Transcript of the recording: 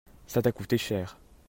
ça t'as coûté cher.